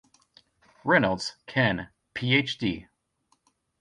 Reynolds, Ken, PhD.